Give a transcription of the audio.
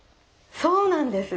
そうなんです。